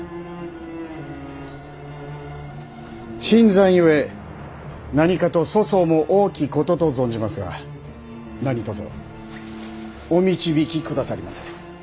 新参ゆえ何かと粗相も多きことと存じますが何とぞお導き下さいませ。